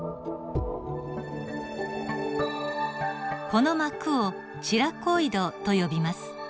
この膜をチラコイドと呼びます。